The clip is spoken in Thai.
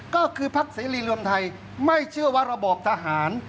ก็คือพักเสรีรวมไทยไม่เชื่อว่าระบอบทหาร